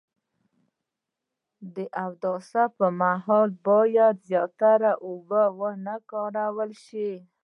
د اودس پر مهال باید زیاتې اوبه و نه کارول شي.